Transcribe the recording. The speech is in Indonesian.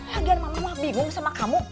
lagian mama mah bingung sama kamu